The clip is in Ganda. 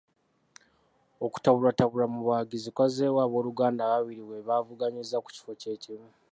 Okutabulwatabulwa mu bawagizi kwazzeewo ab'oluganda ababiri bwe baavuganyizza ku kifo kye kimu.